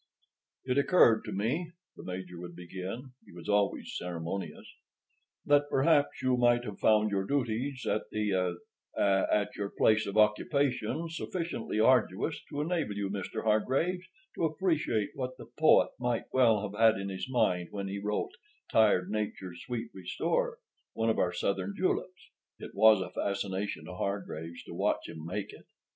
"It occurred to me," the Major would begin—he was always ceremonious—"that perhaps you might have found your duties at the—at your place of occupation—sufficiently arduous to enable you, Mr. Hargraves, to appreciate what the poet might well have had in his mind when he wrote, 'tired Nature's sweet restorer'—one of our Southern juleps." It was a fascination to Hargraves to watch him make it.